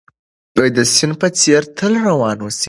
د سيند په څېر تل روان اوسئ.